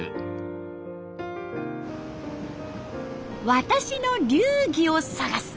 「私の流儀」を探す